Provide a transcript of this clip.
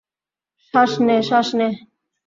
শ্বাস নে, শ্বাস নে।